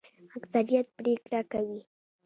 اکثریت پریکړه کوي